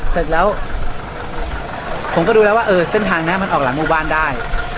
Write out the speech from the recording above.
เสร็จแล้วผมก็ดูแล้วว่าเออเส้นทางนี้มันออกหลังหมู่บ้านได้